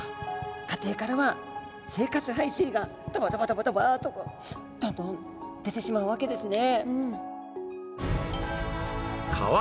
家庭からは生活排水がドバドバドバドバとどんどん出てしまうわけですね。